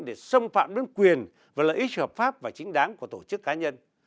để xâm phạm đến quyền và lợi ích hợp pháp và chính đáng của tổ chức cá nhân